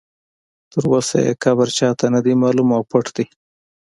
تر اوسه یې قبر چا ته نه دی معلوم او پټ دی.